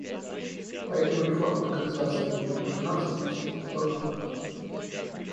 Поэтому реформа Организации Объединенных Наций носит неотложный характер.